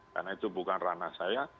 karena itu bukan ranah saya